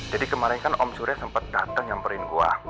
jadi kemarin kan om surya sempet dateng nyamperin gue